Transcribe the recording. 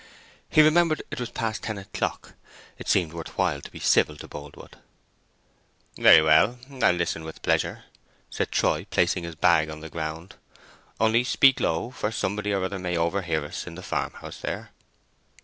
He remembered it was past ten o'clock. It seemed worth while to be civil to Boldwood. "Very well, I'll listen with pleasure," said Troy, placing his bag on the ground, "only speak low, for somebody or other may overhear us in the farmhouse there."